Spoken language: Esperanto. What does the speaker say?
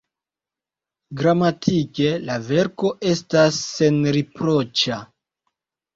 Gramatike la verko estas senriproĉa.